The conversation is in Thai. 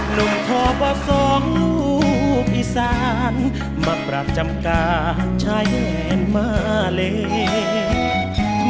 หนุ่มโทษว่าส่องลูกอิสานมาปรับจำกาชายเฮมมาเลย